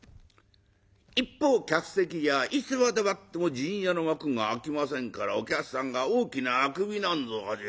一方客席はいつまで待っても「陣屋」の幕が開きませんからお客さんが大きなあくびなんぞを始め